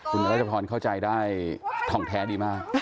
คุณรัชพรเข้าใจได้ถ่องแท้ดีมาก